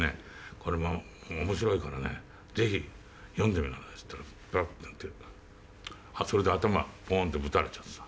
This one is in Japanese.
「これ面白いからねぜひ読んでみなさい」って言ったらバッてやってそれで頭ボンッてぶたれちゃってさ。